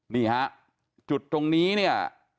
นี่ฮะจุดตรงนี้